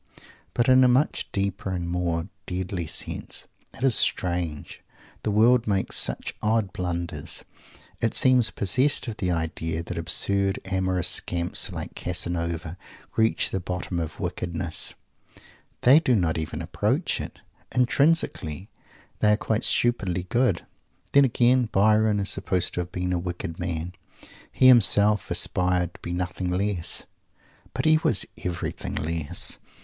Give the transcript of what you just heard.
But in a much deeper and more deadly sense. It is strange! The world makes such odd blunders. It seems possessed of the idea that absurd amorous scamps like Casanova reach the bottom of wickedness. They do not even approach it. Intrinsically they are quite stupidly "good." Then, again, Byron is supposed to have been a wicked man. He himself aspired to be nothing less. But he was everything less.